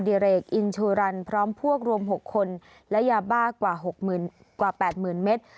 ดิเรกอินชูรันพร้อมพวกรวมหกคนและยาบ้ากว่าหกหมื่นกว่าแปดหมื่นเมตร